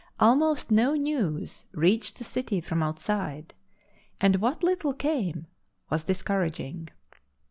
Almost no news reached the city from outside, and what little came was discouraging.